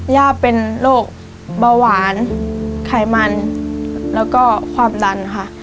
ย่าเป็นโรคเบาหวานไขมันแล้วก็ความดันค่ะ